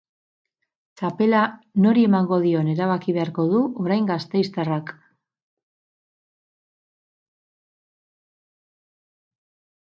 Txapela nori emango dion erabaki beharko du orain gasteiztarrak.